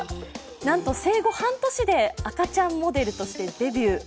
なんと生後半年で、赤ちゃんモデルとしてデビュー。